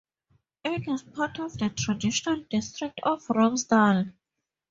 It is part of the traditional district of Romsdal.